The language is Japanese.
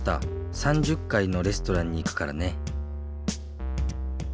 ３０かいのレストランに行くからね。